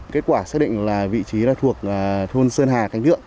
kết quả xác định là vị trí thuộc thôn sơn hà khánh thượng